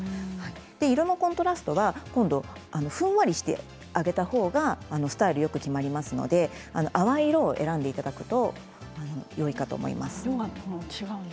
色のコントラストがふんわりしてあげたほうがスタイルよく決まりますので淡い色を選んでいただくとよいかと思います。